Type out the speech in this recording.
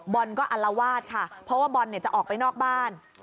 บอลก็อัลวาสค่ะเพราะว่าบอลเนี่ยจะออกไปนอกบ้าน